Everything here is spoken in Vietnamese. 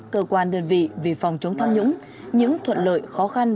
cơ quan đơn vị vì phòng chống tham nhũng những thuận lợi khó khăn